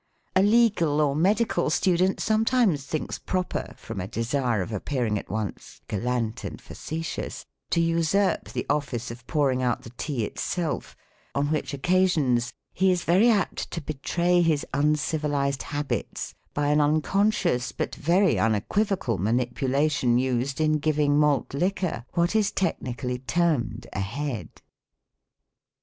A legal or medical student sometimes thinks proper, from a desire of appearing at once gallant and facetious, to usurp the office of pouring out the tea itself, on which occasions he is yery apt to betray his uncivilised habits by an unconscious but very unequivocal manipulation used in giving malt liquor what is technically termed a "head."